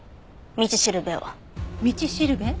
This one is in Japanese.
道しるべ？